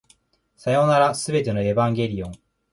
さようなら、全てのエヴァンゲリオン